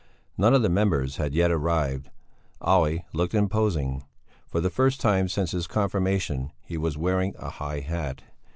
None of the members had yet arrived. Olle looked imposing. For the first time since his confirmation he was wearing a high hat.